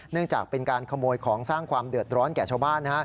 จากเป็นการขโมยของสร้างความเดือดร้อนแก่ชาวบ้าน